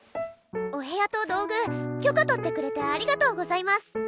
お部屋と道具許可取ってくれてありがとうございます。